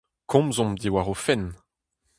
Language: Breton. Komzomp diwar o fenn !